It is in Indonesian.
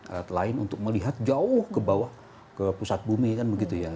alat lain untuk melihat jauh ke bawah ke pusat bumi kan begitu ya